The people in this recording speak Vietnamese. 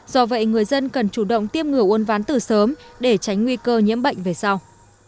do vậy người dân cần chủ động tiêm ngừa uốn ván từ sớm để tránh nguy cơ nhiễm bệnh về sau